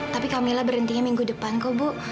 tapi kamila berhentinya minggu depan kok bu